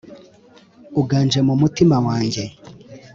Uganje mu mutima wanjye